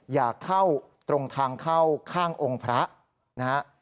อย่าเข้าตรงทางเข้าข้างองค์พระนะฮะ